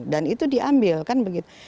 dan itu diambil kan begitu